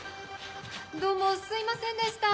どうもすいませんでした。